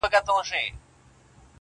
• انسان وجدان سره ژوند کوي تل,